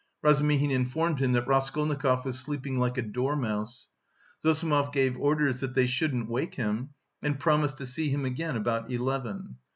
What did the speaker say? Razumihin informed him that Raskolnikov was sleeping like a dormouse. Zossimov gave orders that they shouldn't wake him and promised to see him again about eleven.